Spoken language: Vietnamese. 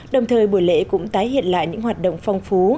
đồng thời buổi lễ cũng tái hiện lại những hoạt động phong phú